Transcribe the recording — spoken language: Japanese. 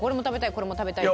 「これも食べたい」って。